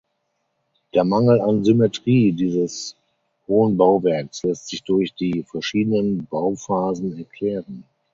Der Mangel an Symmetrie dieses hohen Bauwerks lässt sich durch die verschiedenen Bauphasen erklären.